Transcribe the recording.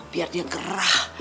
biar dia gerah